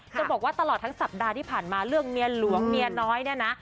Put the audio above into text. จะบอกว่าตลอดทั้งสัปดาห์ที่ผ่านมาเรื่องเมียหลวงเมียน้อยเนี่ยนะ